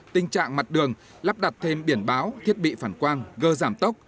tình trạng mặt đường lắp đặt thêm biển báo thiết bị phản quang gơ giảm tốc